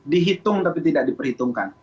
dihitung tapi tidak diperhitungkan